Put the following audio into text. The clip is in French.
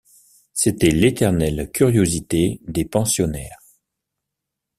C’était l’éternelle curiosité des pensionnaires.